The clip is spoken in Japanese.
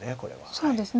そうですね。